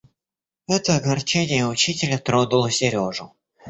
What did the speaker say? Это огорчение учителя тронуло Сережу.